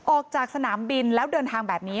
ออกจากสนามบินแล้วเดินทางแบบนี้